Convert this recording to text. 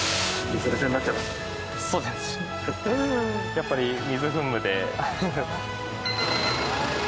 やっぱり水噴霧で。